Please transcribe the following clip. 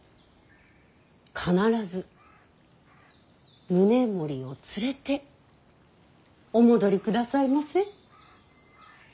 必ず宗盛を連れてお戻りくださいませ。